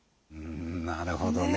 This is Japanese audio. なるほどね。